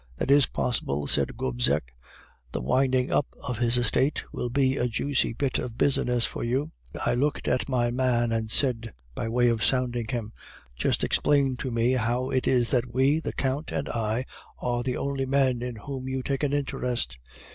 "'That is possible,' said Gobseck; 'the winding up of his estate will be a juicy bit of business for you.' "I looked at my man, and said, by way of sounding him: "'Just explain to me how it is that we, the Count and I, are the only men in whom you take an interest?